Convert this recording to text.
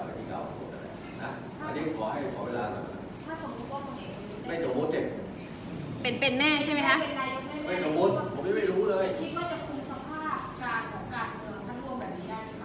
ไม่สงสัญผมไม่รู้เลย